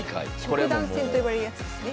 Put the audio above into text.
職団戦と呼ばれるやつですね。